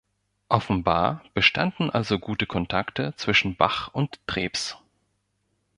Offenbar bestanden also gute Kontakte zwischen Bach und Trebs.